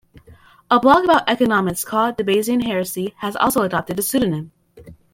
A blog about economics called "The Bayesian Heresy" has also adopted the pseudonym.